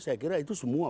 saya kira itu semua